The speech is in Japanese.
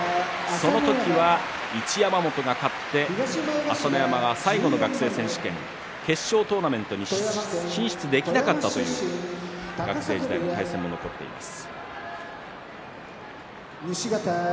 その時は一山本が勝って朝乃山は最後の学生選手権決勝トーナメントに進出できなかったという学生時代の対戦も残っています。